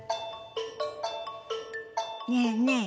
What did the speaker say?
ねえねえ